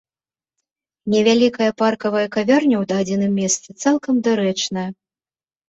Невялікая паркавая кавярня ў дадзеным месцы цалкам дарэчная.